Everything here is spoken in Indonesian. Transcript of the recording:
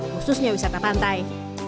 khususnya wisata pantai